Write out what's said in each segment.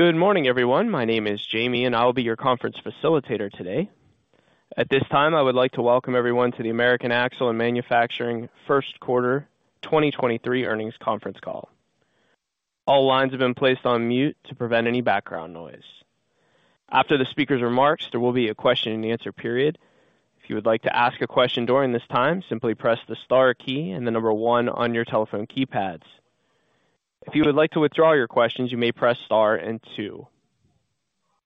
Good morning, everyone. My name is Jamie, and I'll be your conference facilitator today. At this time, I would like to welcome everyone to the American Axle & Manufacturing first quarter 2023 earnings conference call. All lines have been placed on mute to prevent any background noise. After the speaker's remarks, there will be a question and answer period. If you would like to ask a question during this time, simply press the star key and the number one on your telephone keypads. If you would like to withdraw your questions, you may press Star and two.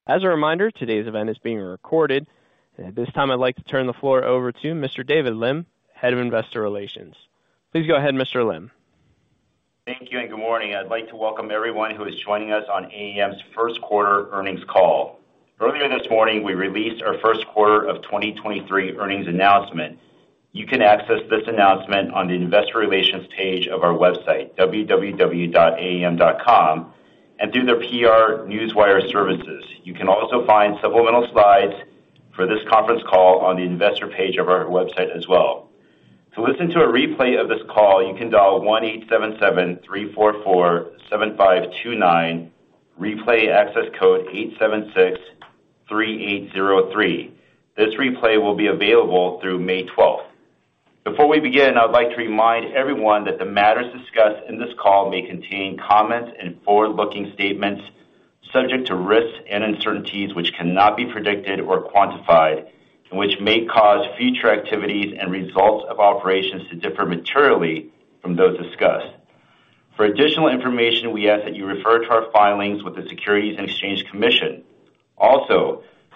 As a reminder, today's event is being recorded. At this time, I'd like to turn the floor over to Mr. David Lim, Head of Investor Relations. Please go ahead, Mr. Lim. Thank you and good morning. I'd like to welcome everyone who is joining us on AAM's first quarter earnings call. Earlier this morning, we released our first quarter of 2023 earnings announcement. You can access this announcement on the investor relations page of our website, www.aam.com, and through their PR Newswire services. You can also find supplemental slides for this conference call on the investor page of our website as well. To listen to a replay of this call, you can dial 1877-344-7529. Replay access code 876-3803. This replay will be available through May 12th. Before we begin, I would like to remind everyone that the matters discussed in this call may contain comments and forward-looking statements subject to risks and uncertainties which cannot be predicted or quantified and which may cause future activities and results of operations to differ materially from those discussed. For additional information, we ask that you refer to our filings with the Securities and Exchange Commission.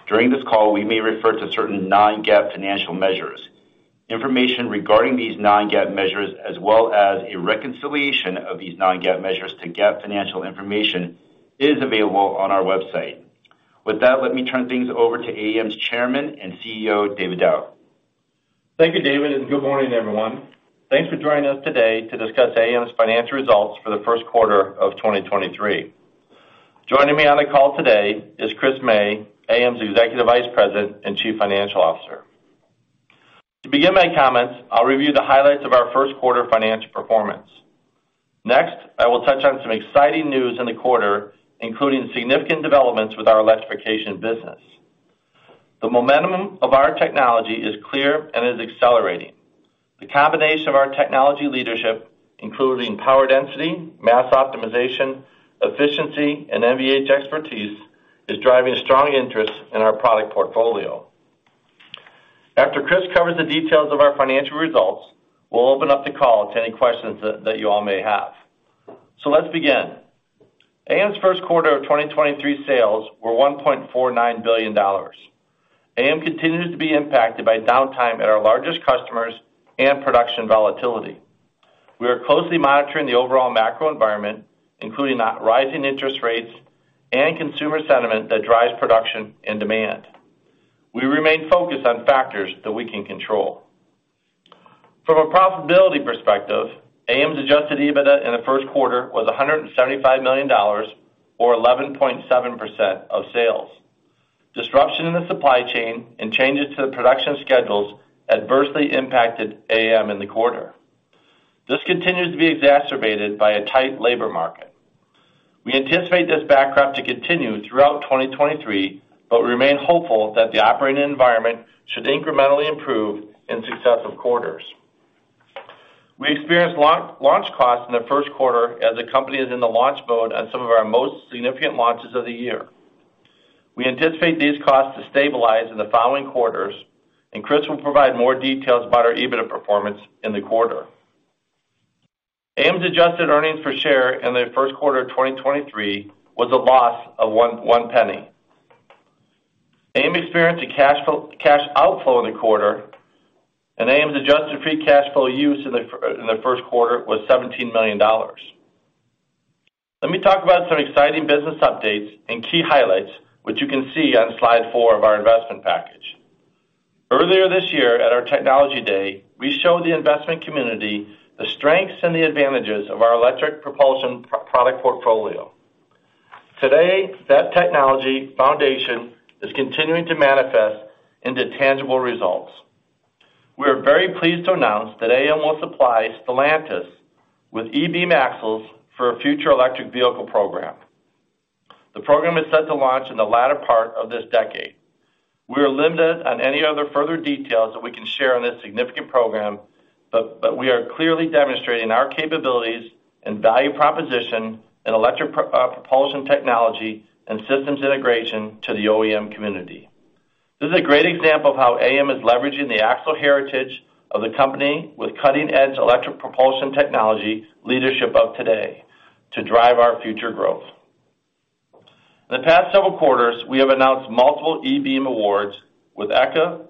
During this call, we may refer to certain non-GAAP financial measures. Information regarding these non-GAAP measures, as well as a reconciliation of these non-GAAP measures to GAAP financial information, is available on our website. With that, let me turn things over to AAM's Chairman and CEO, David Dauch. Thank you, David Lim, good morning, everyone. Thanks for joining us today to discuss AAM's financial results for the first quarter of 2023. Joining me on the call today is Chris May, AAM's Executive Vice President and Chief Financial Officer. To begin my comments, I'll review the highlights of our first quarter financial performance. Next, I will touch on some exciting news in the quarter, including significant developments with our electrification business. The momentum of our technology is clear and is accelerating. The combination of our technology leadership, including power density, mass optimization, efficiency, and NVH expertise, is driving a strong interest in our product portfolio. After Chris covers the details of our financial results, we'll open up the call to any questions that you all may have. Let's begin. AAM's first quarter of 2023 sales were $1.49 billion. AAM continues to be impacted by downtime at our largest customers and production volatility. We are closely monitoring the overall macro environment, including rising interest rates and consumer sentiment that drives production and demand. We remain focused on factors that we can control. From a profitability perspective, AAM's adjusted EBITDA in the first quarter was $175 million or 11.7% of sales. Disruption in the supply chain and changes to the production schedules adversely impacted AAM in the quarter. This continues to be exacerbated by a tight labor market. We anticipate this backdrop to continue throughout 2023. Remain hopeful that the operating environment should incrementally improve in successive quarters. We experienced launch costs in the first quarter as the company is in the launch mode on some of our most significant launches of the year. We anticipate these costs to stabilize in the following quarters. Chris will provide more details about our EBITDA performance in the quarter. AAM's adjusted earnings per share in the first quarter of 2023 was a loss of one penny. AAM experienced a cash outflow in the quarter. AAM's adjusted free cash flow use in the first quarter was $17 million. Let me talk about some exciting business updates and key highlights, which you can see on slide four of our investment package. Earlier this year at our Technology Day, we showed the investment community the strengths and the advantages of our electric propulsion product portfolio. Today, that technology foundation is continuing to manifest into tangible results. We are very pleased to announce that AAM will supply Stellantis with e-Beam axles for a future electric vehicle program. The program is set to launch in the latter part of this decade. We are limited on any other further details that we can share on this significant program. We are clearly demonstrating our capabilities and value proposition in electric propulsion technology and systems integration to the OEM community. This is a great example of how AAM is leveraging the axle heritage of the company with cutting-edge electric propulsion technology leadership of today to drive our future growth. In the past several quarters, we have announced multiple e-Beam awards with EKA,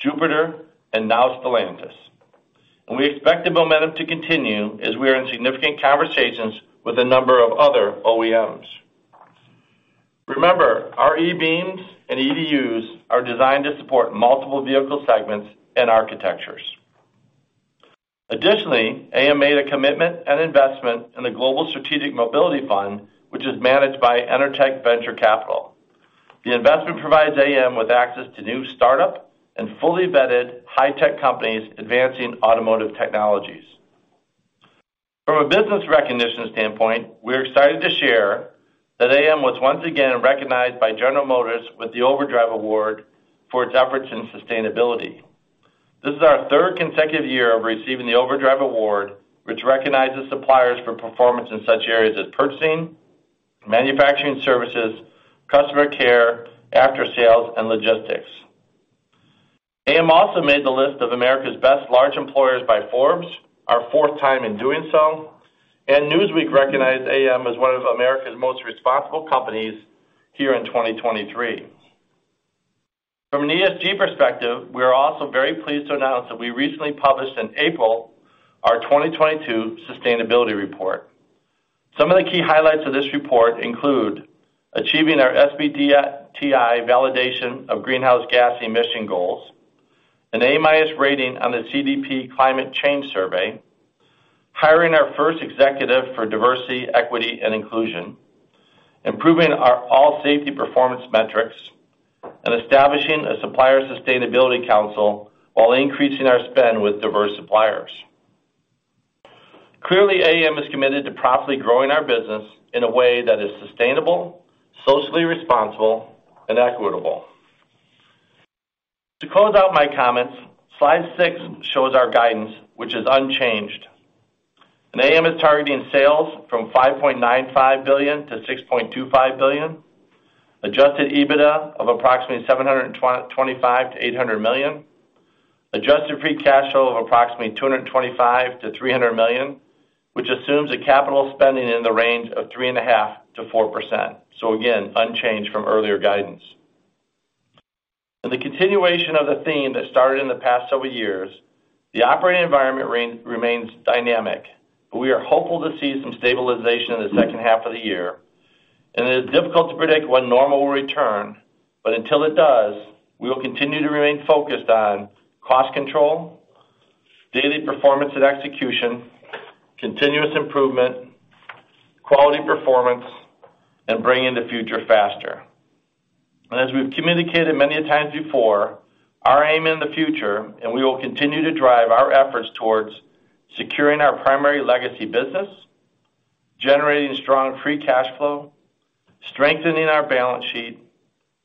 Jupiter and now Stellantis. We expect the momentum to continue as we are in significant conversations with a number of other OEMs. Remember, our e-Beams and EDUs are designed to support multiple vehicle segments and architectures. AAM made a commitment and investment in the Global Strategic Mobility Fund, which is managed by EnerTech Capital. The investment provides AAM with access to new startup and fully vetted high-tech companies advancing automotive technologies. From a business recognition standpoint, we're excited to share that AAM was once again recognized by General Motors with the Overdrive Award for its efforts in sustainability. This is our third consecutive year of receiving the Overdrive Award, which recognizes suppliers for performance in such areas as purchasing, manufacturing services, customer care, after-sales, and logistics. AAM also made the list of America's Best Large Employers by Forbes, our fourth time in doing so, and Newsweek recognized AAM as one of America's Most Responsible Companies here in 2023. From an ESG perspective, we are also very pleased to announce that we recently published in April our 2022 sustainability report. Some of the key highlights of this report include achieving our SBTi validation of greenhouse gas emission goals, an A- rating on the CDP Climate Change Survey, hiring our first executive for diversity, equity, and inclusion, improving our all safety performance metrics, and establishing a Supplier Sustainability Council while increasing our spend with diverse suppliers. Clearly, AAM is committed to profitably growing our business in a way that is sustainable, socially responsible, and equitable. To close out my comments, slide six shows our guidance, which is unchanged. AAM is targeting sales from $5.95 billion-$6.25 billion, adjusted EBITDA of approximately $725 million-$800 million, adjusted free cash flow of approximately $225 million-$300 million, which assumes a capital spending in the range of 3.5%-4%. Again, unchanged from earlier guidance. In the continuation of the theme that started in the past several years, the operating environment remains dynamic. We are hopeful to see some stabilization in the second half of the year, and it is difficult to predict when normal will return, but until it does, we will continue to remain focused on cost control, daily performance and execution, continuous improvement, quality performance, and bringing the future faster. As we've communicated many a times before, our aim in the future, and we will continue to drive our efforts towards securing our primary legacy business, generating strong free cash flow, strengthening our balance sheet,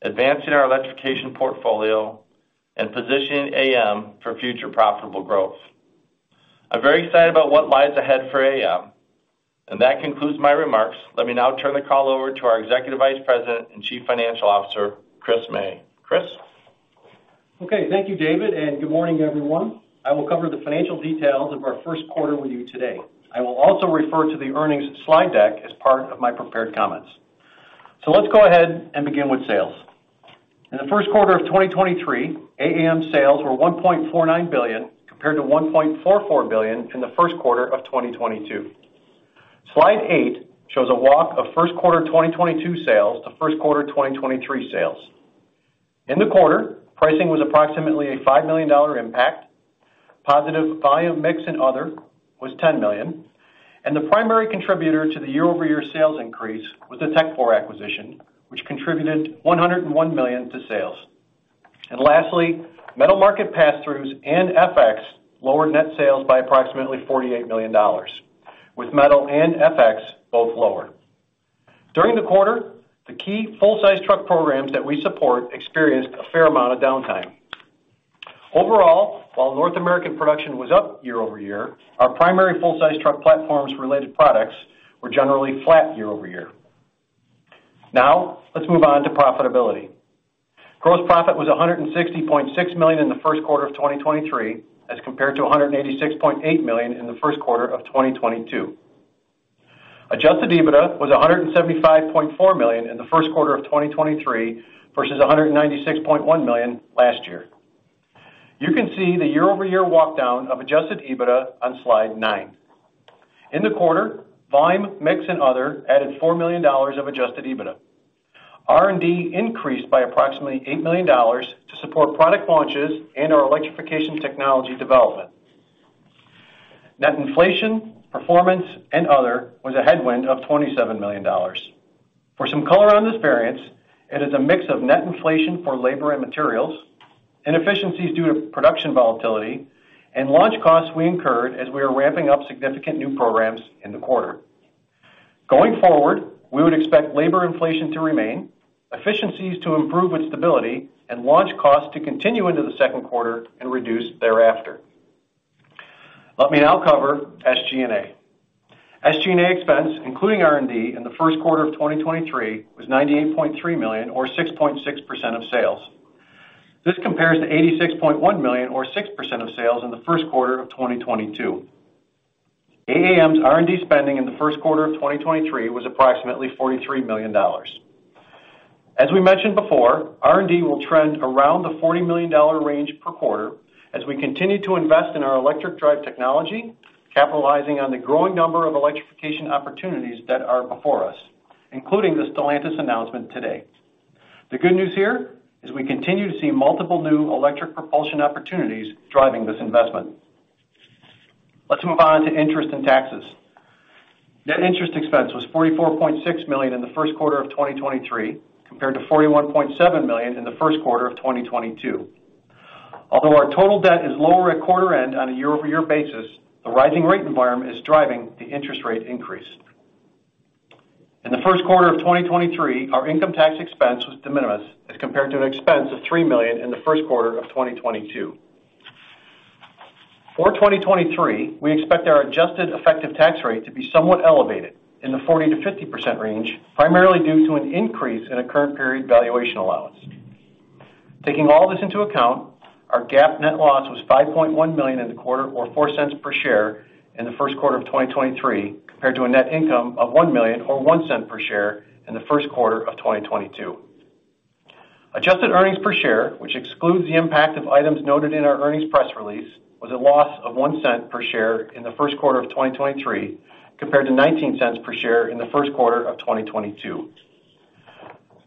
advancing our electrification portfolio, and positioning AAM for future profitable growth. I'm very excited about what lies ahead for AAM, and that concludes my remarks. Let me now turn the call over to our Executive Vice President and Chief Financial Officer, Chris May. Chris? Thank you, David, and good morning, everyone. I will cover the financial details of our first quarter with you today. I will also refer to the earnings slide deck as part of my prepared comments. Let's go ahead and begin with sales. In the first quarter of 2023, AAM sales were $1.49 billion compared to $1.44 billion in the first quarter of 2022. Slide 8 shows a walk of first quarter 2022 sales to first quarter 2023 sales. In the quarter, pricing was approximately a $5 million impact. Positive volume, mix, and other was $10 million. The primary contributor to the year-over-year sales increase was the Tekfor acquisition, which contributed $101 million to sales. Lastly, metal market passthroughs and FX lowered net sales by approximately $48 million, with metal and FX both lower. During the quarter, the key full-size truck programs that we support experienced a fair amount of downtime. Overall, while North American production was up year-over-year, our primary full-size truck platforms related products were generally flat year-over-year. Let's move on to profitability. Gross profit was $160.6 million in the first quarter of 2023 as compared to $186.8 million in the first quarter of 2022. Adjusted EBITDA was $175.4 million in the first quarter of 2023 versus $196.1 million last year. You can see the year-over-year walk down of adjusted EBITDA on slide nine. In the quarter, volume, mix, and other added $4 million of adjusted EBITDA. R&D increased by approximately $8 million to support product launches and our electrification technology development. Net inflation, performance, and other was a headwind of $27 million. For some color on this variance, it is a mix of net inflation for labor and materials, inefficiencies due to production volatility, and launch costs we incurred as we are ramping up significant new programs in the quarter. Going forward, we would expect labor inflation to remain, efficiencies to improve with stability, and launch costs to continue into the second quarter and reduce thereafter. Let me now cover SG&A. SG&A expense, including R&D, in the first quarter of 2023 was $98.3 million or 6.6% of sales. This compares to $86.1 million or 6% of sales in the first quarter of 2022. AAM's R&D spending in the first quarter of 2023 was approximately $43 million. As we mentioned before, R&D will trend around the $40 million range per quarter as we continue to invest in our electric drive technology, capitalizing on the growing number of electrification opportunities that are before us, including the Stellantis announcement today. The good news here is we continue to see multiple new electric propulsion opportunities driving this investment. Let's move on to interest and taxes. Net interest expense was $44.6 million in the first quarter of 2023 compared to $41.7 million in the first quarter of 2022. Although our total debt is lower at quarter end on a year-over-year basis, the rising rate environment is driving the interest rate increase. In the first quarter of 2023, our income tax expense was de minimis as compared to an expense of $3 million in the first quarter of 2022. For 2023, we expect our adjusted effective tax rate to be somewhat elevated in the 40%-50% range, primarily due to an increase in a current period valuation allowance. Taking all this into account, our GAAP net loss was $5.1 million in the quarter or $0.04 per share in the first quarter of 2023 compared to a net income of $1 million or $0.01 per share in the first quarter of 2022. Adjusted earnings per share, which excludes the impact of items noted in our earnings press release, was a loss of $0.01 per share in the first quarter of 2023 compared to $0.19 per share in the first quarter of 2022.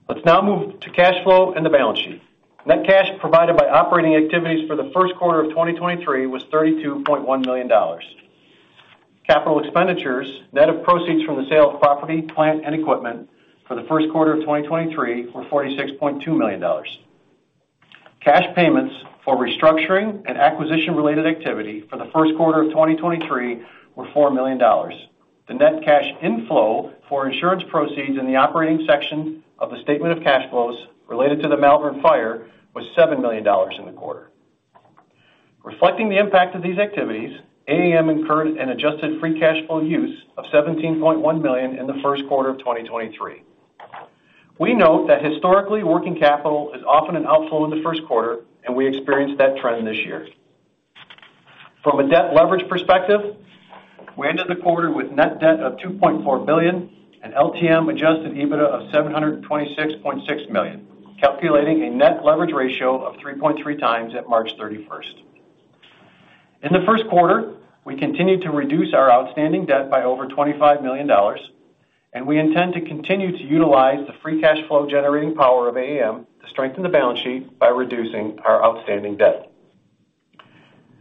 Let's now move to cash flow and the balance sheet. Net cash provided by operating activities for the first quarter of 2023 was $32.1 million. Capital expenditures, net of proceeds from the sale of property, plant, and equipment for the first quarter of 2023 were $46.2 million. Cash payments for restructuring and acquisition-related activity for the first quarter of 2023 were $4 million. The net cash inflow for insurance proceeds in the operating section of the statement of cash flows related to the Malvern fire was $7 million in the quarter. Reflecting the impact of these activities, AAM incurred an adjusted free cash flow use of $17.1 million in the first quarter of 2023. We note that historically, working capital is often an outflow in the first quarter, and we experienced that trend this year. From a debt leverage perspective, we ended the quarter with net debt of $2.4 billion and LTM adjusted EBITDA of $726.6 million, calculating a net leverage ratio of 3.3x at March 31st. In the first quarter, we continued to reduce our outstanding debt by over $25 million, and we intend to continue to utilize the free cash flow generating power of AAM to strengthen the balance sheet by reducing our outstanding debt.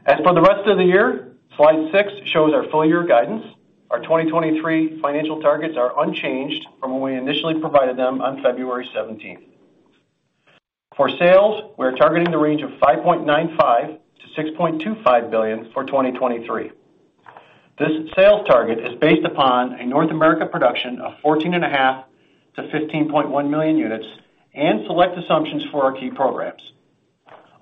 As for the rest of the year, slide 6 shows our full year guidance. Our 2023 financial targets are unchanged from when we initially provided them on February 17th. For sales, we are targeting the range of $5.95 billion-$6.25 billion for 2023. This sales target is based upon a North America production of 14.5 million-15.1 million units and select assumptions for our key programs.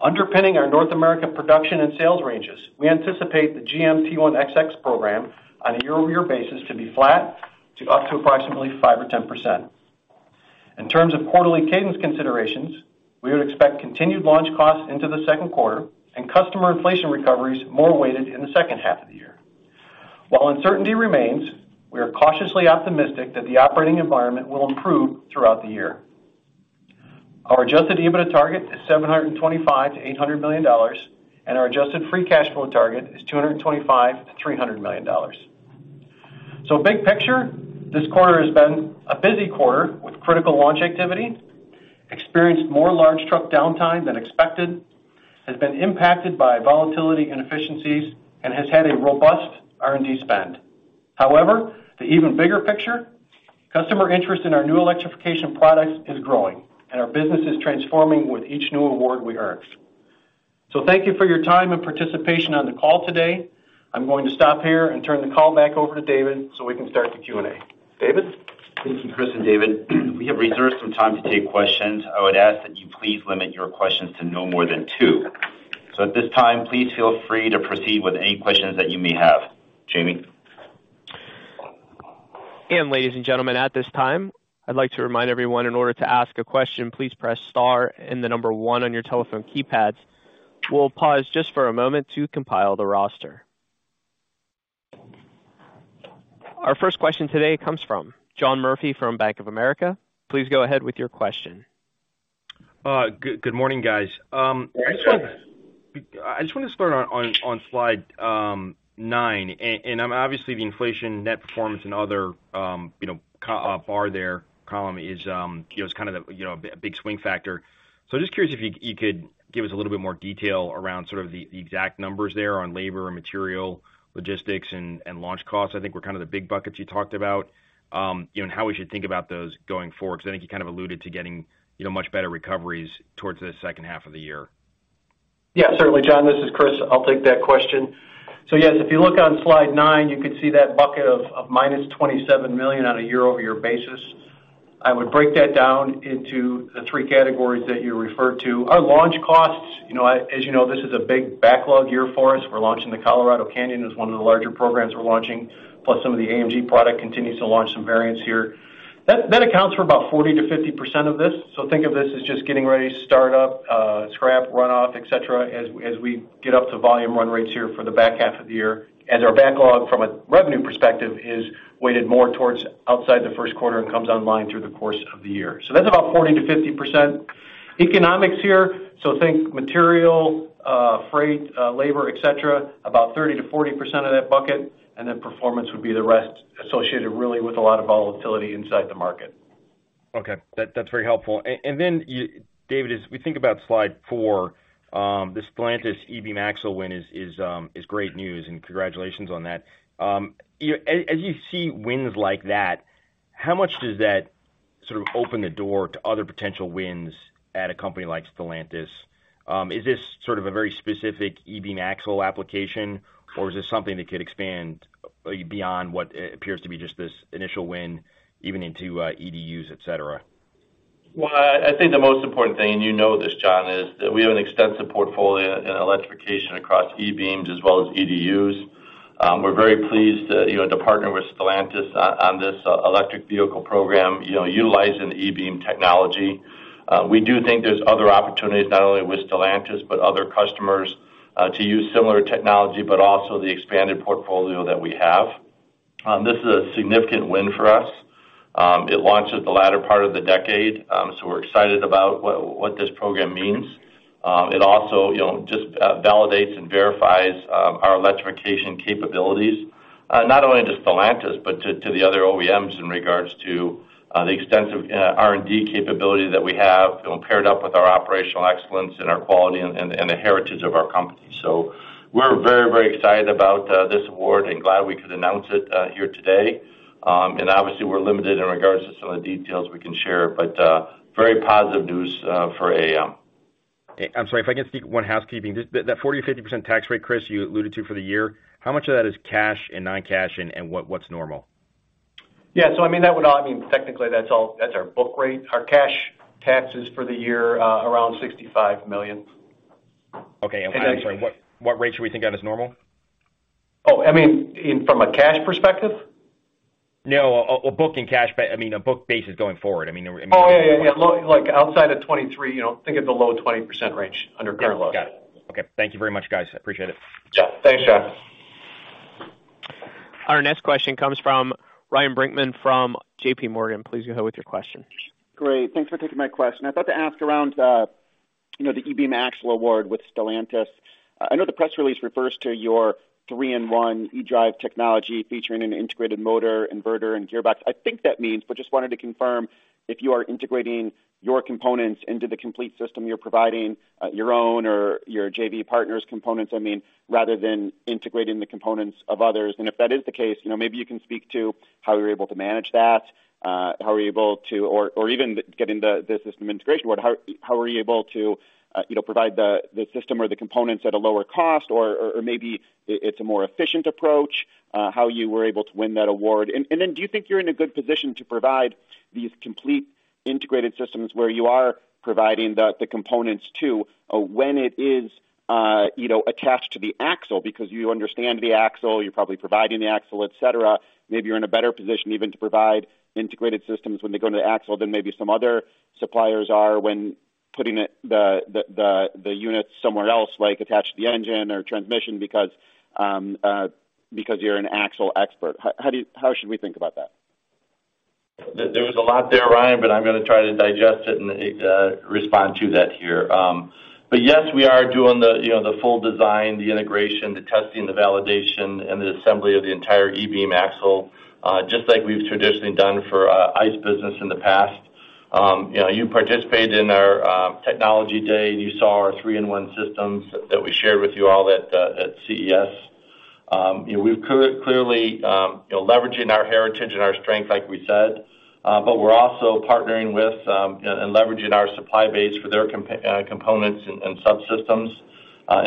Underpinning our North America production and sales ranges, we anticipate the GM T1XX program on a year-over-year basis to be flat to up to approximately 5% or 10%. In terms of quarterly cadence considerations, we would expect continued launch costs into the second quarter and customer inflation recoveries more weighted in the second half of the year. While uncertainty remains, we are cautiously optimistic that the operating environment will improve throughout the year. Our adjusted EBITDA target is $725 million-$800 million, and our adjusted free cash flow target is $225 million-$300 million. Big picture, this quarter has been a busy quarter with critical launch activity, experienced more large truck downtime than expected, has been impacted by volatility inefficiencies, and has had a robust R&D spend. However, the even bigger picture, customer interest in our new electrification products is growing, and our business is transforming with each new award we earn. Thank you for your time and participation on the call today. I'm going to stop here and turn the call back over to David, so we can start the Q&A. David? Thank you, Chris and David. We have reserved some time to take questions. I would ask that you please limit your questions to no more than two. At this time, please feel free to proceed with any questions that you may have. Jamie? Ladies and gentlemen, at this time, I'd like to remind everyone in order to ask a question, please press star and the one on your telephone keypads. We'll pause just for a moment to compile the roster. Our first question today comes from John Murphy from Bank of America. Please go ahead with your question. Good morning, guys. I just wanna start on slide nine. Obviously, the inflation net performance and other, you know, column is, you know, kind of the, you know, a big swing factor. I'm just curious if you could give us a little bit more detail around sort of the exact numbers there on labor and material logistics and launch costs, I think were kind of the big buckets you talked about. How we should think about those going forward, 'cause I think you kind of alluded to getting, you know, much better recoveries towards the 2nd half of the year. Yeah, certainly, John. This is Chris. I'll take that question. Yes, if you look on slide nine, you could see that bucket of -$27 million on a year-over-year basis. I would break that down into the three categories that you referred to. Our launch costs, you know, as you know, this is a big backlog year for us. We're launching the Colorado/Canyon. It's one of the larger programs we're launching, plus some of the AMG product continues to launch some variants here. That accounts for about 40%-50% of this. Think of this as just getting ready, start up, scrap, runoff, et cetera, as we get up to volume run rates here for the back half of the year, as our backlog from a revenue perspective is weighted more towards outside the first quarter and comes online through the course of the year. That's about 40%-50%. Economics here, so think material, freight, labor, et cetera, about 30%-40% of that bucket, and then performance would be the rest associated really with a lot of volatility inside the market. Okay. That's very helpful. David, as we think about slide four, this Stellantis e-Beam win is great news, and congratulations on that. As you see wins like that, how much does that Sort of open the door to other potential wins at a company like Stellantis. Is this sort of a very specific e-Beam axle application, or is this something that could expand beyond what appears to be just this initial win even into EDUs, et cetera? Well, I think the most important thing, and you know this, John, is that we have an extensive portfolio in electrification across e-Beams as well as EDUs. We're very pleased, you know, to partner with Stellantis on this electric vehicle program, you know, utilizing the e-Beam technology. We do think there's other opportunities, not only with Stellantis, but other customers, to use similar technology, but also the expanded portfolio that we have. This is a significant win for us. It launches the latter part of the decade, so we're excited about what this program means. It also, you know, just validates and verifies our electrification capabilities, not only to Stellantis, but to the other OEMs in regards to the extensive R&D capability that we have, paired up with our operational excellence and our quality and the heritage of our company. We're very, very excited about this award and glad we could announce it here today. Obviously we're limited in regards to some of the details we can share, but very positive news for AAM. I'm sorry, if I can sneak one housekeeping. That 40%-50% tax rate, Chris, you alluded to for the year, how much of that is cash and non-cash and what's normal? Yeah. I mean, that would I mean, technically, that's our book rate. Our cash taxes for the year, around $65 million. Okay. I'm sorry, what rate should we think of as normal? Oh, I mean, from a cash perspective? No, a book in cash I mean, a book basis going forward. I mean. Oh, yeah. Like outside of 23, you know, think of the low 20% range under current load. Got it. Okay. Thank you very much, guys. I appreciate it. Yeah. Thanks, John. Our next question comes from Ryan Brinkman from JPMorgan. Please go ahead with your question. Great. Thanks for taking my question. I thought to ask around, you know, the e-Beam axle award with Stellantis. I know the press release refers to your three-in-one e-Drive technology featuring an integrated motor, inverter, and gearbox. I think that means, but just wanted to confirm if you are integrating your components into the complete system you're providing, your own or your JV partners components, I mean, rather than integrating the components of others. If that is the case, you know, maybe you can speak to how you're able to manage that, how you're able to, or even get into the system integration, how are you able to, you know, provide the system or the components at a lower cost, or maybe it's a more efficient approach, how you were able to win that award. Do you think you're in a good position to provide these complete integrated systems where you are providing the components to when it is, you know, attached to the axle because you understand the axle, you're probably providing the axle, et cetera. Maybe you're in a better position even to provide integrated systems when they go into the axle than maybe some other suppliers are when putting it the unit somewhere else, like attached to the engine or transmission because you're an axle expert. How should we think about that? There was a lot there, Ryan, I'm gonna try to digest it and respond to that here. Yes, we are doing the, you know, the full design, the integration, the testing, the validation, and the assembly of the entire e-Beam axle, just like we've traditionally done for our ICE business in the past. You know, you participated in our Technology Day, you saw our three-in-one systems that we shared with you all at CES. We're clearly, you know, leveraging our heritage and our strength, like we said, we're also partnering with and leveraging our supply base for their components and subsystems.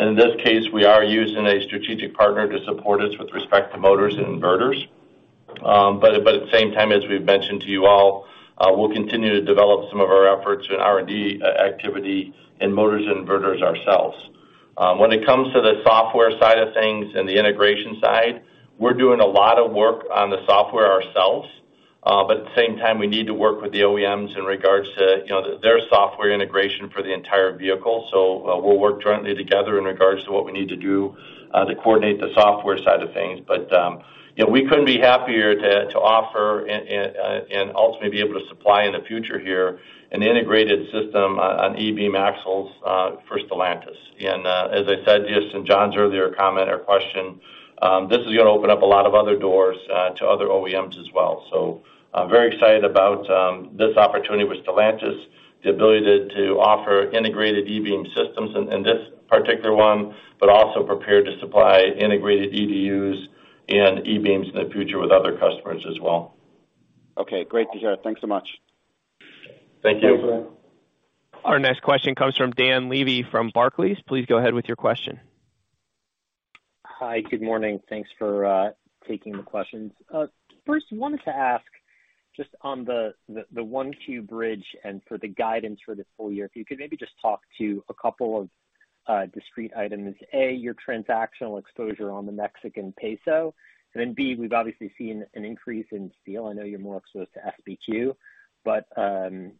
In this case, we are using a strategic partner to support us with respect to motors and inverters. At the same time, as we've mentioned to you all, we'll continue to develop some of our efforts in R&D activity in motors and inverters ourselves. When it comes to the software side of things and the integration side, we're doing a lot of work on the software ourselves. At the same time, we need to work with the OEMs in regards to, you know, their software integration for the entire vehicle. We'll work jointly together in regards to what we need to do, to coordinate the software side of things. You know, we couldn't be happier to offer and ultimately be able to supply in the future here an integrated system on e-Beam axles, for Stellantis. As I said, just in John's earlier comment or question, this is gonna open up a lot of other doors to other OEMs as well. I'm very excited about this opportunity with Stellantis, the ability to offer integrated e-Beam systems in this particular one, but also prepared to supply integrated EDUs and e-Beams in the future with other customers as well. Okay, great to hear. Thanks so much. Thank you. Our next question comes from Dan Levy from Barclays. Please go ahead with your question. Hi, good morning. Thanks for taking the questions. First, wanted to ask just on the 1Q bridge and for the guidance for the full year, if you could maybe just talk to a couple of discrete items. A, your transactional exposure on the Mexican peso, and then B, we've obviously seen an increase in steel. I know you're more exposed to SBQ, but,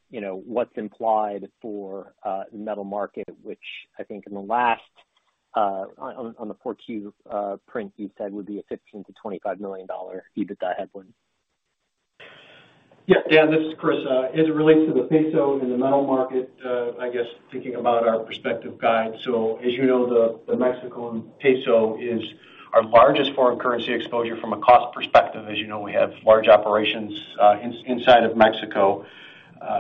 you know, what's implied for the metal market, which I think in the last on the 4Q print, you said would be a $15 million-$25 million EBITDA headwind. Dan, this is Chris. As it relates to the peso and the metal market, I guess thinking about our perspective guide. As you know, the Mexico peso is our largest foreign currency exposure from a cost perspective. As you know, we have large operations inside of Mexico.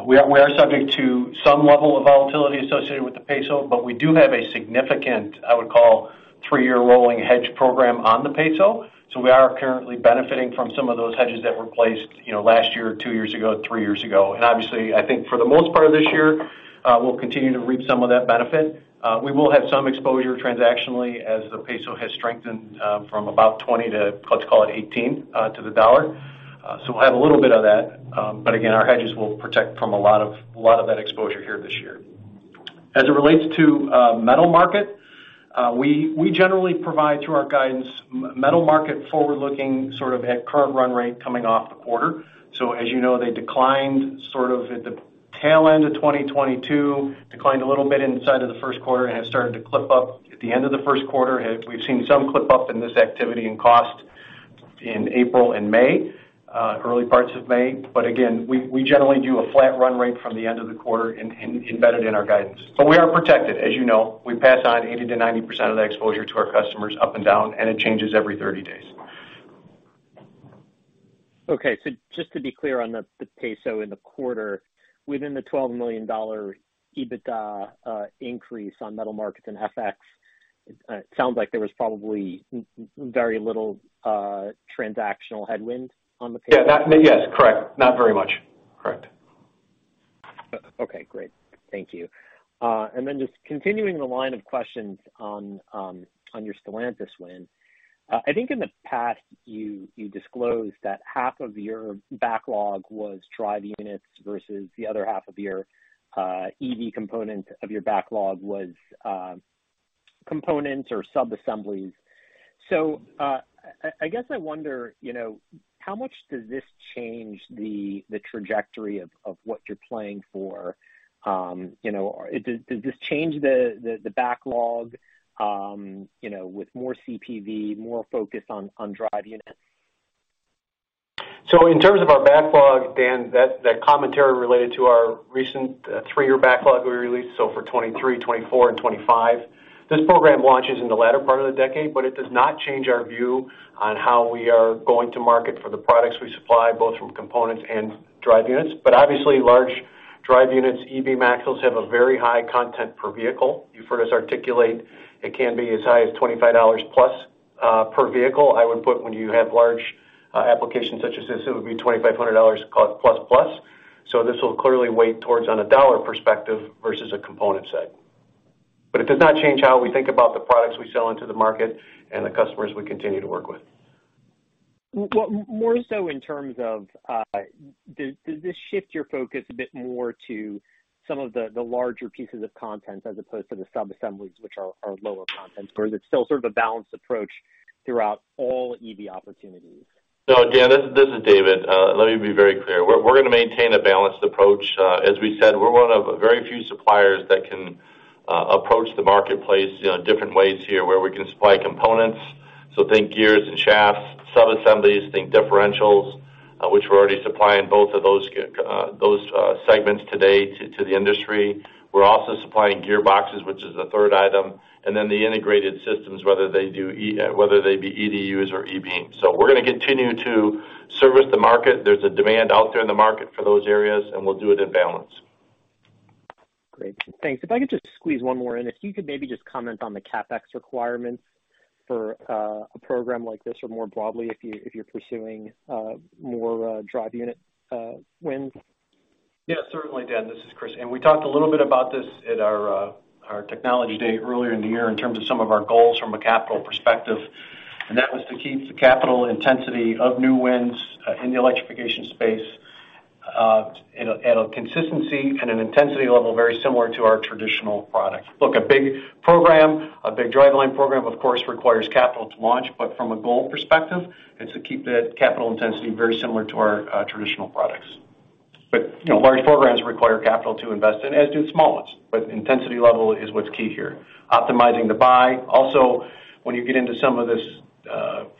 We are subject to some level of volatility associated with the peso, but we do have a significant, I would call three year rolling hedge program on the peso. We are currently benefiting from some of those hedges that were placed, you know, last year, two years ago, three years ago. Obviously, I think for the most part of this year, we'll continue to reap some of that benefit. We will have some exposure transactionally as the peso has strengthened, from about 20 to let's call it 18 to the dollar. We'll have a little bit of that, but again, our hedges will protect from a lot of that exposure here this year. As it relates to metal market, we generally provide through our guidance metal market forward-looking sort of at current run rate coming off the quarter. As you know, they declined sort of at the tail end of 2022, declined a little bit inside of the first quarter and have started to clip up at the end of the first quarter. We've seen some clip up in this activity and cost in April and May, early parts of May. Again, we generally do a flat run rate from the end of the quarter embedded in our guidance. We are protected. As you know, we pass on 80%-90% of that exposure to our customers up and down, and it changes every 30 days. Just to be clear on the peso in the quarter, within the $12 million EBITDA increase on metal markets and FX, it sounds like there was probably very little transactional headwind on the peso. Yeah. Yes, correct. Not very much. Correct. Okay, great. Thank you. Just continuing the line of questions on your Stellantis win. I think in the past you disclosed that half of your backlog was drive units versus the other half of your EV component of your backlog was components or subassemblies. I guess I wonder, you know, how much does this change the trajectory of what you're playing for? You know, does this change the backlog, you know, with more CPV, more focus on drive units? In terms of our backlog, Dan, that commentary related to our recent, three-year backlog we released, for 2023, 2024 and 2025. This program launches in the latter part of the decade, it does not change our view on how we are going to market for the products we supply, both from components and drive units. Obviously large drive units, e-Beam axles have a very high content per vehicle. You've heard us articulate it can be as high as $25+ per vehicle. I would put when you have large applications such as this, it would be $2,500+. This will clearly weight towards on a dollar perspective versus a component set. It does not change how we think about the products we sell into the market and the customers we continue to work with. Well, more so in terms of, does this shift your focus a bit more to some of the larger pieces of content as opposed to the subassemblies which are lower content, or is it still sort of a balanced approach throughout all EV opportunities? No, Dan, this is David. Let me be very clear. We're gonna maintain a balanced approach. As we said, we're one of very few suppliers that can approach the marketplace, you know, in different ways here where we can supply components. Think gears and shafts, subassemblies, think differentials, which we're already supplying both of those segments today to the industry. We're also supplying gearboxes, which is the third item, and then the integrated systems, whether they be EDUs or e-Beam. We're gonna continue to service the market. There's a demand out there in the market for those areas, and we'll do it in balance. Great. Thanks. If I could just squeeze one more in. If you could maybe just comment on the CapEx requirements for a program like this or more broadly if you, if you're pursuing more drive unit wins. Yeah, certainly, Dan, this is Chris. We talked a little bit about this at our Technology Day earlier in the year in terms of some of our goals from a capital perspective. That was to keep the capital intensity of new wins in the electrification space at a consistency and an intensity level very similar to our traditional products. Look, a big program, a big driveline program, of course, requires capital to launch, but from a goal perspective, it's to keep that capital intensity very similar to our traditional products. You know, large programs require capital to invest in, as do small ones, but intensity level is what's key here. Optimizing the buy. When you get into some of this,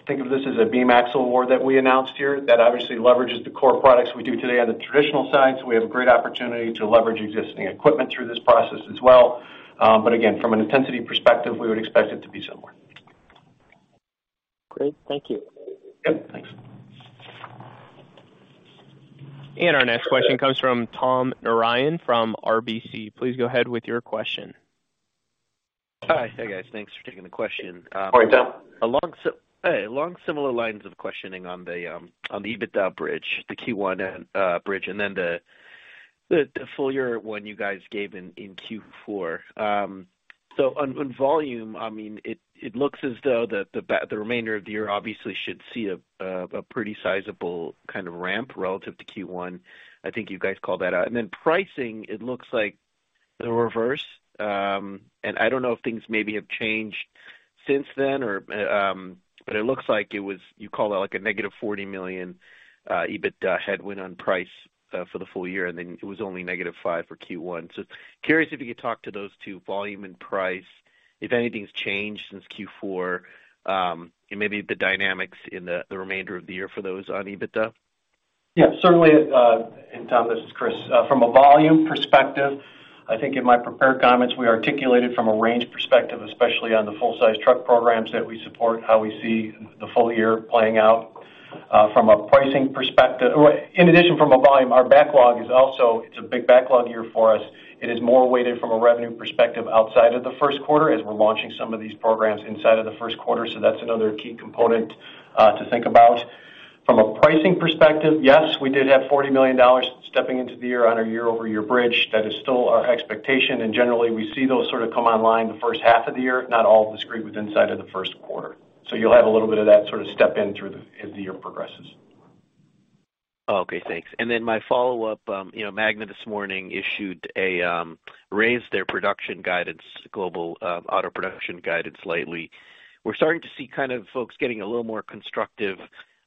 think of this as an e-Beam axle award that we announced here. That obviously leverages the core products we do today on the traditional side, so we have a great opportunity to leverage existing equipment through this process as well. Again, from an intensity perspective, we would expect it to be similar. Great. Thank you. Yep. Thanks. Our next question comes from Tom Narayan from RBC. Please go ahead with your question. Hi. Hey, guys. Thanks for taking the question. All right, Tom. Hey, along similar lines of questioning on the EBITDA bridge, the Q1 bridge, and then the full year one you guys gave in Q4. On volume, I mean, it looks as though the remainder of the year obviously should see a pretty sizable kind of ramp relative to Q1. I think you guys called that out. Then pricing, it looks like the reverse. I don't know if things maybe have changed since then or, but it looks like you called it like a -$40 million EBITDA headwind on price for the full year, and then it was only -$5 million for Q1. Curious if you could talk to those two, volume and price, if anything's changed since Q4, and maybe the dynamics in the remainder of the year for those on EBITDA. Yeah, certainly. Tom, this is Chris. From a volume perspective, I think in my prepared comments, we articulated from a range perspective, especially on the full-size truck programs that we support, how we see the full year playing out. From a pricing perspective, or in addition from a volume, our backlog is also, it's a big backlog year for us. It is more weighted from a revenue perspective outside of the first quarter as we're launching some of these programs inside of the first quarter. That's another key component to think about. From a pricing perspective, yes, we did have $40 million stepping into the year on a year-over-year bridge. That is still our expectation. Generally, we see those sort of come online the first half of the year, not all discreetly inside of the first quarter. You'll have a little bit of that sort of step in as the year progresses. Okay. Thanks. My follow-up, you know, Magna this morning issued a raised their production guidance, global auto production guidance lately. We're starting to see kind of folks getting a little more constructive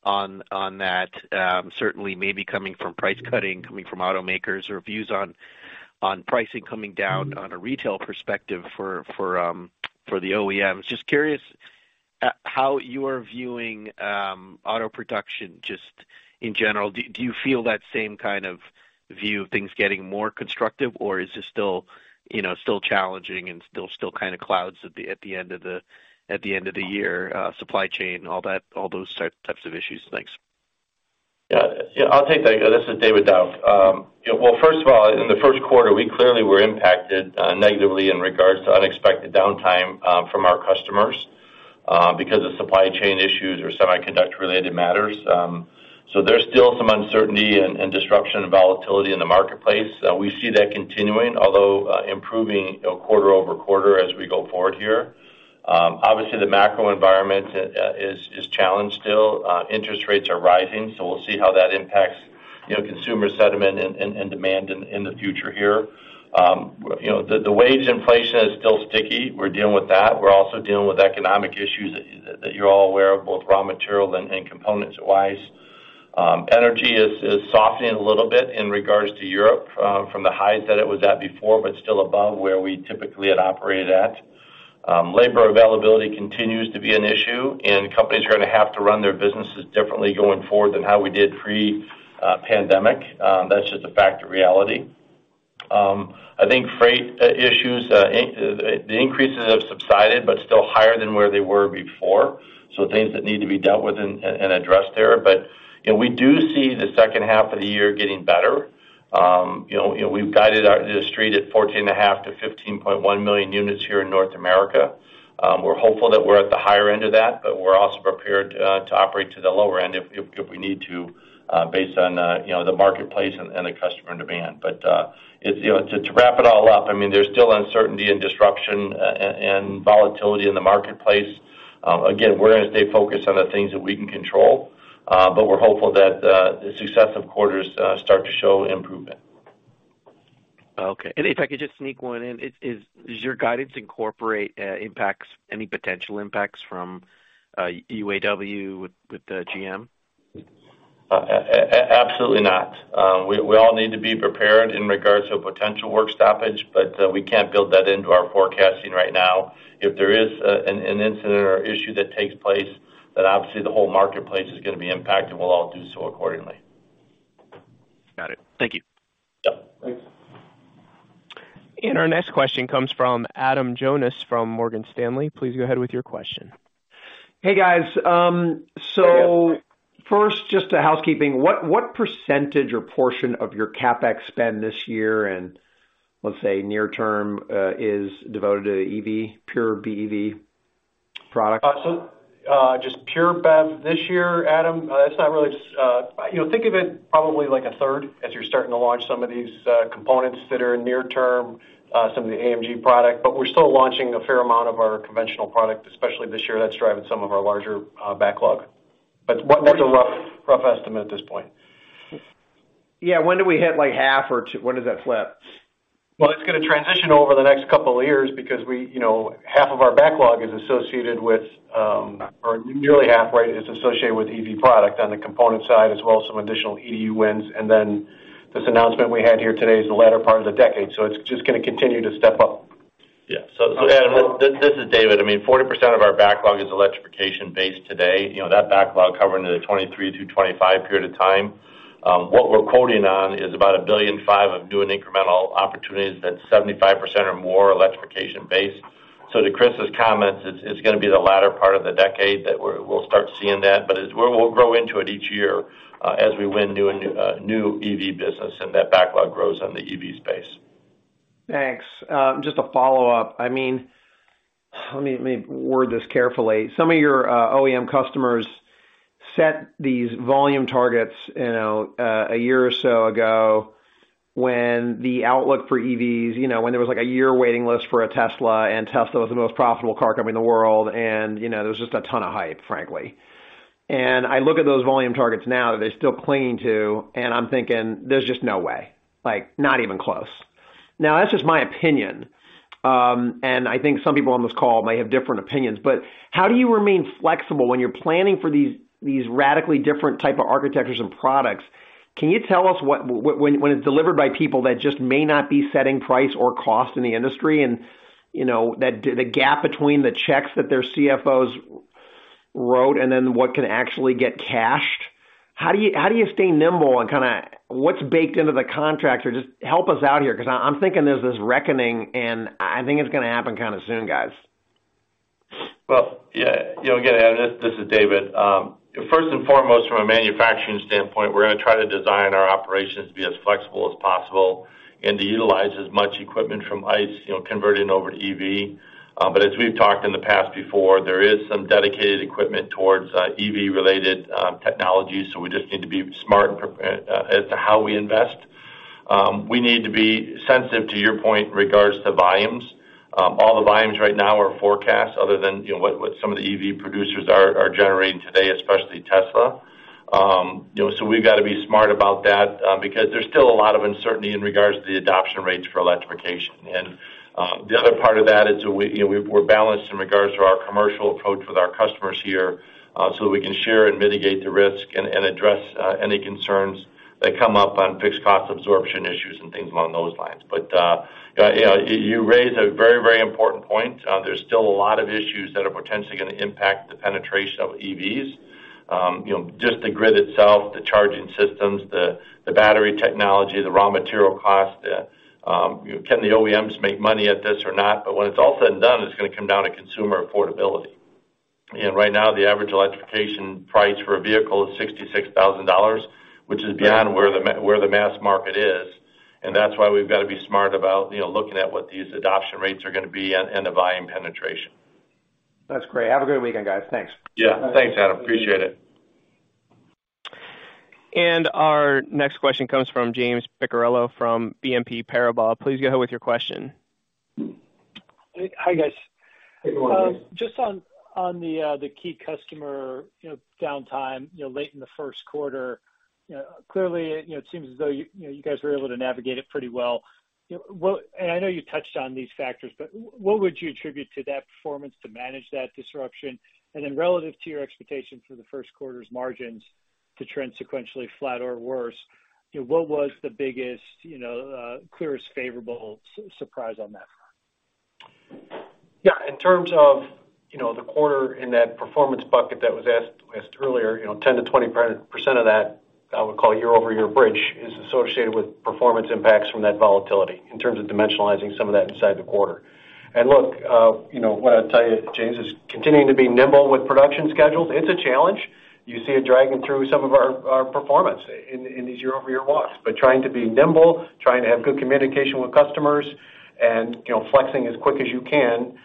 on that, certainly maybe coming from price cutting, coming from automakers or views on pricing coming down on a retail perspective for the OEMs. Just curious how you are viewing auto production just in general. Do you feel that same kind of view of things getting more constructive, or is this still, you know, still challenging and still kind of clouds at the end of the year, supply chain and all that, all those types of issues? Thanks. Yeah. Yeah. I'll take that. This is David Dauch. Yeah, well, first of all, in the first quarter, we clearly were impacted negatively in regards to unexpected downtime from our customers because of supply chain issues or semiconductor-related matters. There's still some uncertainty and disruption and volatility in the marketplace. We see that continuing, although improving, you know, quarter-over-quarter as we go forward here. Obviously, the macro environment is challenged still. Interest rates are rising, so we'll see how that impacts, you know, consumer sentiment and demand in the future here. You know, the wage inflation is still sticky. We're dealing with that. We're also dealing with economic issues that you're all aware of, both raw material and components wise. Energy is softening a little bit in regards to Europe from the highs that it was at before, still above where we typically had operated at. Labor availability continues to be an issue, companies are gonna have to run their businesses differently going forward than how we did pre pandemic. That's just a fact of reality. I think freight issues, the increases have subsided still higher than where they were before. Things that need to be dealt with and addressed there. You know, we do see the second half of the year getting better. You know, we've guided the street at 14.5 to 15.1 million units here in North America. We're hopeful that we're at the higher end of that, but we're also prepared to operate to the lower end if we need to, based on, you know, the marketplace and the customer demand. It's, you know. To wrap it all up, I mean, there's still uncertainty and disruption and volatility in the marketplace. Again, we're gonna stay focused on the things that we can control, but we're hopeful that the successive quarters start to show improvement. Okay. If I could just sneak one in. Does your guidance incorporate impacts, any potential impacts from UAW with GM? Absolutely not. We all need to be prepared in regards to a potential work stoppage, but we can't build that into our forecasting right now. If there is an incident or issue that takes place, then obviously the whole marketplace is gonna be impacted. We'll all do so accordingly. Got it. Thank you. Yep. Thanks. Our next question comes from Adam Jonas from Morgan Stanley. Please go ahead with your question. Hey, guys. First just to housekeeping. What percentage or portion of your CapEx spend this year and, let's say, near term, is devoted to EV, pure BEV products? just pure BEV this year, Adam, you know, think of it probably like a third as you're starting to launch some of these components that are near term, some of the AMG product, but we're still launching a fair amount of our conventional product, especially this year. That's driving some of our larger backlog. What's a rough estimate at this point? Yeah. When do we hit like half or When does that flip? It's gonna transition over the next couple of years because we, you know, half of our backlog is associated with, or nearly half, right, is associated with EV product on the component side, as well as some additional EDU wins. This announcement we had here today is the latter part of the decade. It's just gonna continue to step up. Adam, this is David. I mean, 40% of our backlog is electrification based today. You know, that backlog covering the 2023 to 2025 period of time. What we're quoting on is about $1.5 billion of new and incremental opportunities that's 75% or more electrification based. To Chris's comments, it's gonna be the latter part of the decade that we'll start seeing that, but as we'll grow into it each year, as we win new and new EV business and that backlog grows on the EV space. Thanks. Just a follow-up. I mean, let me word this carefully. Some of your OEM customers set these volume targets, you know, a year or so ago when the outlook for EVs, you know, when there was like a year waiting list for a Tesla, and Tesla was the most profitable car company in the world, and, you know, there was just a ton of hype, frankly. I look at those volume targets now that they're still clinging to, and I'm thinking, "There's just no way, like not even close." Now, that's just my opinion. I think some people on this call may have different opinions. How do you remain flexible when you're planning for these radically different type of architectures and products? Can you tell us when it's delivered by people that just may not be setting price or cost in the industry and, you know, that the gap between the checks that their CFOs wrote and then what can actually get cashed? How do you stay nimble and kinda what's baked into the contract or just help us out here? 'Cause I'm thinking there's this reckoning, and I think it's gonna happen kinda soon, guys. Yeah, you know, again, Adam, this is David. First and foremost, from a manufacturing standpoint, we're gonna try to design our operations to be as flexible as possible and to utilize as much equipment from ICE, you know, converting over to EV. As we've talked in the past before, there is some dedicated equipment towards EV-related technologies, so we just need to be smart as to how we invest. We need to be sensitive to your point in regards to volumes. All the volumes right now are forecast other than, you know, what some of the EV producers are generating today, especially Tesla. You know, so we've gotta be smart about that, because there's still a lot of uncertainty in regards to the adoption rates for electrification. The other part of that is so we, you know, we're balanced in regards to our commercial approach with our customers here, so that we can share and mitigate the risk and address any concerns that come up on fixed cost absorption issues and things along those lines. You know, you raise a very important point. There's still a lot of issues that are potentially gonna impact the penetration of EVs. You know, just the grid itself, the charging systems, the battery technology, the raw material cost, can the OEMs make money at this or not? When it's all said and done, it's gonna come down to consumer affordability. Right now, the average electrification price for a vehicle is $66,000, which is beyond where the mass market is, and that's why we've gotta be smart about, you know, looking at what these adoption rates are gonna be and the volume penetration. That's great. Have a good weekend, guys. Thanks. Yeah. Thanks, Adam. Appreciate it. Our next question comes from James Picariello from BNP Paribas. Please go ahead with your question. Hi, guys. Good morning, James. Just on the key customer, you know, downtime, you know, late in the first quarter, you know, clearly, you know, it seems as though, you know, you guys were able to navigate it pretty well. I know you touched on these factors, but what would you attribute to that performance to manage that disruption? Relative to your expectations for the first quarter's margins to trend sequentially flat or worse, you know, what was the biggest, you know, clearest favorable surprise on that front? Yeah. In terms of, you know, the quarter in that performance bucket that was asked earlier, you know, 10%-20% of that, I would call year-over-year bridge, is associated with performance impacts from that volatility in terms of dimensionalizing some of that inside the quarter. Look, you know, what I'll tell you, James, is continuing to be nimble with production schedules, it's a challenge. You see it dragging through some of our performance in these year-over-year walks. Trying to be nimble, trying to have good communication with customers and, you know, flexing as quick as you can,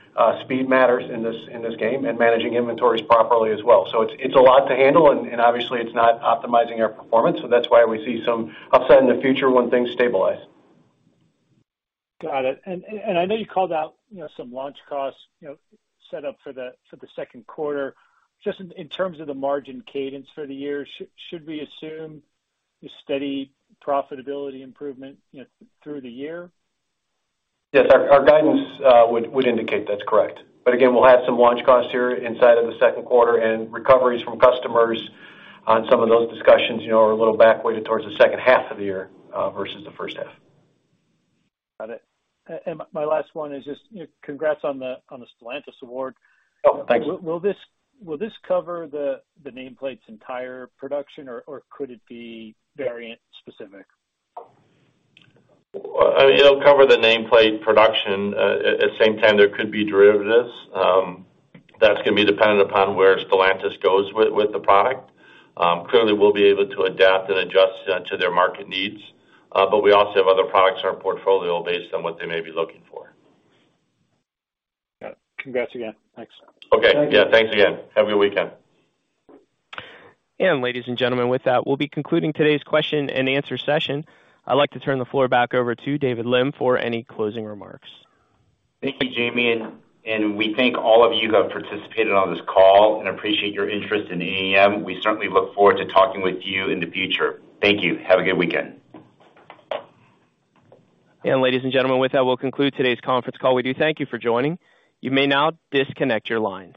speed matters in this game, and managing inventories properly as well. It's a lot to handle and obviously it's not optimizing our performance, so that's why we see some upside in the future when things stabilize. Got it. I know you called out, you know, some launch costs, you know, set up for the second quarter. Just in terms of the margin cadence for the year, should we assume a steady profitability improvement, you know, through the year? Yes. Our guidance would indicate that's correct. Again, we'll have some launch costs here inside of the second quarter and recoveries from customers on some of those discussions, you know, are a little back weighted towards the second half of the year versus the first half. Got it. My last one is just, you know, congrats on the Stellantis award. Oh, thank you. Will this cover the nameplate's entire production or could it be variant specific? It'll cover the nameplate production. At the same time, there could be derivatives. That's gonna be dependent upon where Stellantis goes with the product. Clearly, we'll be able to adapt and adjust to their market needs. We also have other products in our portfolio based on what they may be looking for. Got it. Congrats again. Thanks. Okay. Yeah, thanks again. Have a good weekend. Ladies and gentlemen, with that, we'll be concluding today's question and answer session. I'd like to turn the floor back over to David Lim for any closing remarks. Thank you, Jamie. We thank all of you who have participated on this call and appreciate your interest in AAM. We certainly look forward to talking with you in the future. Thank you. Have a good weekend. Ladies and gentlemen, with that, we'll conclude today's conference call. We do thank you for joining. You may now disconnect your lines.